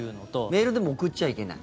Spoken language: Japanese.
メールでも送っちゃいけない？